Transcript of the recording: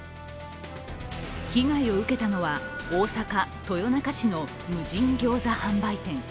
被害を受けたのは大阪・豊中市の無人ギョーザ販売店。